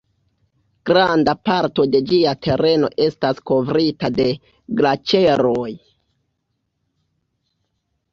Granda parto de ĝia tereno estas kovrita de glaĉeroj.